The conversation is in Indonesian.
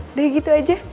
udah gitu aja